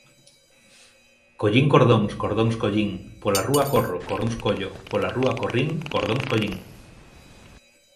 Collín cordóns, cordóns collín. Pola rúa corro, cordóns collo. Pola rúa corrín, cordóns collín.